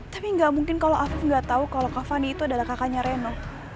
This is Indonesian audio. tapi gak mungkin kalau afif gak tahu kalau kak kavani itu adalah kakaknya reno